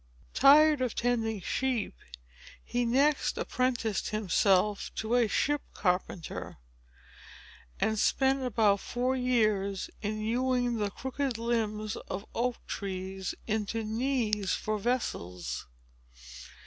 Tired of tending sheep, he next apprenticed himself to a ship carpenter, and spent about four years in hewing the crooked limbs of oak trees into knees for vessels.